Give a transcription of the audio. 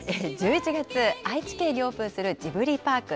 １１月、愛知県にオープンするジブリパーク。